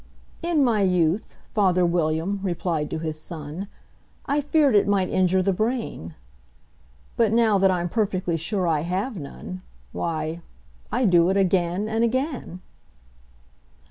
"In my youth," father William replied to his son, "I feared it might injure the brain; But, now that I'm perfectly sure I have none, Why, I do it again and again."